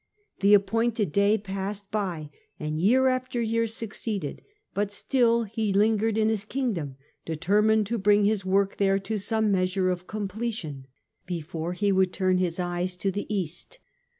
The appointed day passed by and year after year succeeded, but still he lingered in his Kingdom, determined to bring his work there to some measure of completion before he would turn his eyes to the East.